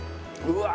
うわ！